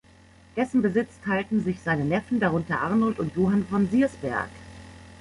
Dessen Besitz teilten sich seine Neffen, darunter Arnold und Johann von Siersberg.